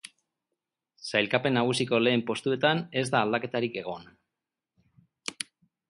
Sailkapen nagusiko lehen postuetan ez da aldaketarik egon.